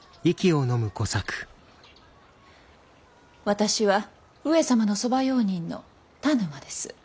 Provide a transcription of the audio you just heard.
私は上様の側用人の田沼です。